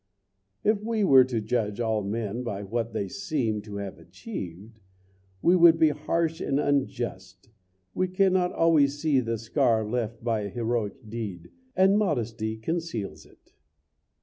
If we were to judge all men by what they seem to have achieved, we would be harsh and unjust. We cannot always see the scar left by a heroic deed, and modesty conceals it.